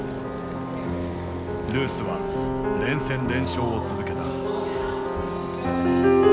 ルースは連戦連勝を続けた。